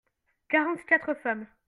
quarante quatre femmes.